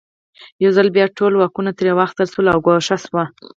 یو ځل بیا ټول واکونه ترې واخیستل شول او ګوښه شو.